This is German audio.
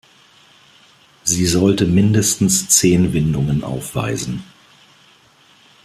Sie sollte mindestens zehn Windungen aufweisen.